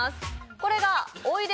これがおいで